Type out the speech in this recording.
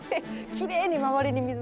きれいに周りに水が。